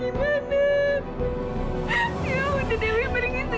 ibu jangan kenapa napa